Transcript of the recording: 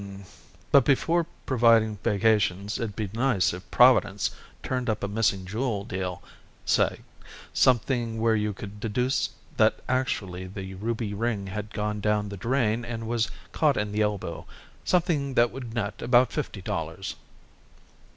"Hm m m. But before providing vacations it'd be nice if Providence turned up a missing jewel deal, say. Something where you could deduce that actually the ruby ring had gone down the drain and was caught in the elbow. Something that would net about fifty dollars."